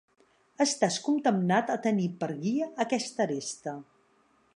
Estàs condemnat a tenir per guia aquesta aresta